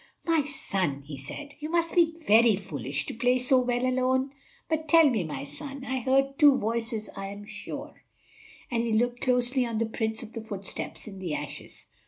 "My son," he said, "you must be very foolish to play so when alone. But, tell me, my son; I heard two voices, I am sure," and he looked closely on the prints of the footsteps in the ashes.